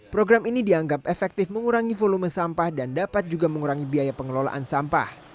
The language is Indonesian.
program ini dianggap efektif mengurangi volume sampah dan dapat juga mengurangi biaya pengelolaan sampah